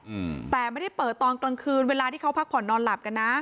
อืมแต่ไม่ได้เปิดตอนกลางคืนเวลาที่เขาพักผ่อนนอนหลับกันนะ